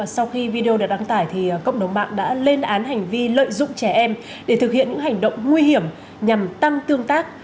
sau khi video được đăng tải cộng đồng mạng đã lên án hành vi lợi dụng trẻ em để thực hiện những hành động nguy hiểm nhằm tăng tương tác